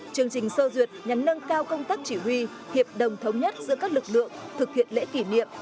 chương trình sơ duyệt nhắn nâng cao công tác chỉ huy hiệp đồng thống nhất giữa các lực lượng thực hiện lễ kỷ niệm